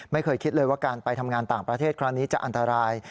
ไม่เคยคิดเลยว่าการไปทำงานต่างประเทศครั้งนี้จะอันตราย